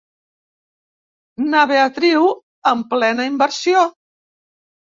Na Beatriu en plena inversió.